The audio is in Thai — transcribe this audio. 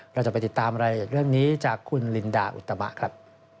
เราจะไปติดตามรายละเอียดเรื่องนี้จากคุณลินดาอุตมะครับ